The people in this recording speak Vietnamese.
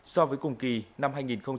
so với cùng kỳ năm hai nghìn hai mươi ba